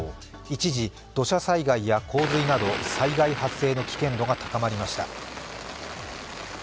一時、土砂災害や洪水など災害発生の危険度が高まりました。